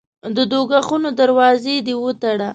د دوږخونو دروازې دي وتړه.